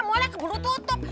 mallnya keburu tutup